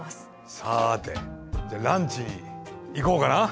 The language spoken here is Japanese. さてじゃあランチに行こうかな。